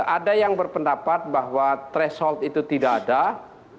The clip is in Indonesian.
ada yang berpendapat bahwa threshold itu tidak terlalu tegas